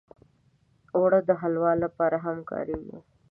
اوړه د حلوا لپاره هم کارېږي